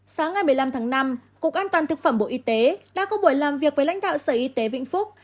sáng ngày một mươi năm tháng năm cục an toàn thực phẩm bộ y tế đã có buổi làm việc với lãnh đạo sở y tế vĩnh phúc